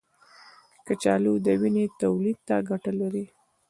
کچالو د وینې تولید ته ګټه لري.